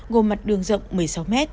gồm mặt đường rộng một mươi sáu m